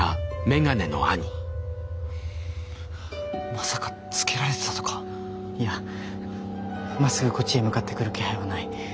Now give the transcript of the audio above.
まさかつけられてたとか⁉いやまっすぐこっちへ向かってくる気配はない。